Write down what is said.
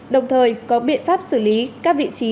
đồng thời có biện pháp xử lý các vị trí